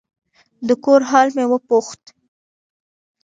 د کور حال مې وپوښت.